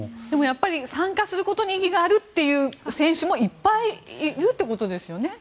でもやっぱり参加することに意義があるという選手もいっぱいいるということですね。